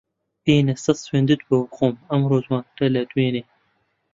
بێنە سەد سوێندت بۆ بخۆم ئەمڕۆ جوانترە لە دوێنێ